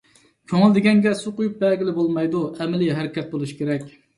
كۆڭۈل دېگەنگە سۇ قۇيۇپ بەرگىلى بولمايدۇ، ئەمەلىي ھەرىكەت بولۇشى كېرەك.